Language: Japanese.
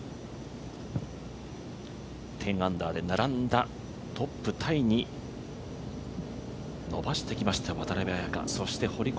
１０アンダーでトップタイに伸ばしてきました、渡邉彩香。